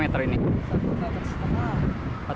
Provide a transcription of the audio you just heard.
satu meter setengah